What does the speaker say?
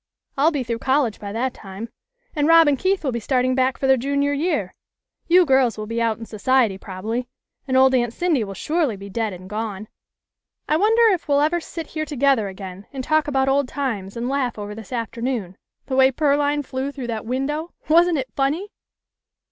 " I'll be through college by that time, and Rob THE END OF THE SUMMER. 2? and Keith will be starting back for their junior year. You girls will be out in society probably, and old Aunt Cindy will surely be dead and gone. I wonder if we'll ever sit here together again and talk about old times and laugh over this afternoon the way Pearline flew through that window. Wasn't it funny